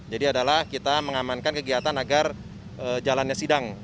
jadi adalah kita mengamankan kegiatan agar jalannya sidang